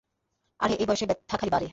আরে, এই বয়সে ব্যথা খালি বাড়ে।